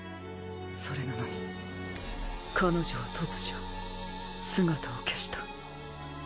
それなのに彼女は突如姿を消した。